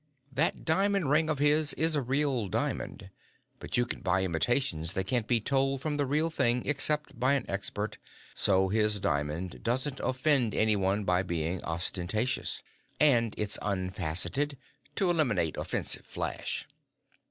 That diamond ring of his is a real diamond, but you can buy imitations that can't be told from the real thing except by an expert, so his diamond doesn't offend anyone by being ostentatious. And it's unfaceted, to eliminate offensive flash.